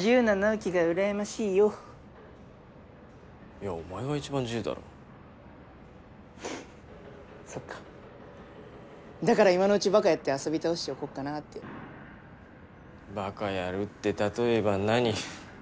いやお前が一番自由だろフッそっかだから今のうちバカやって遊び倒しておこっかなってバカやるって例えば何？